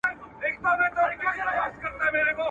دولتمند که ډېر لیري وي خلک یې خپل ګڼي ..